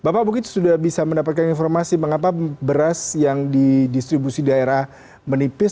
bapak mungkin sudah bisa mendapatkan informasi mengapa beras yang didistribusi daerah menipis